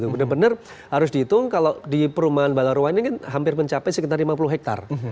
benar benar harus dihitung kalau di perumahan balarowa ini kan hampir mencapai sekitar lima puluh hektare